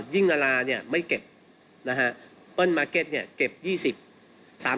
ยิ่งนาราไม่เก็บเปิ้ลมาร์เก็ตเก็บ๒๐ตลาด